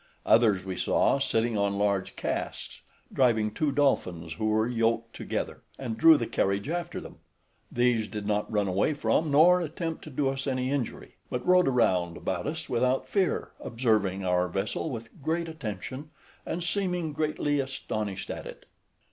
Others we saw, sitting on large casks, driving two dolphins who were yoked together, and drew the carriage after them: these did not run away from, nor attempt to do us any injury; but rode round about us without fear, observing our vessel with great attention, and seeming greatly astonished at it.